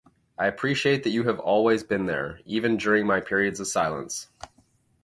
I appreciate that you have always been there, even during my periods of silence.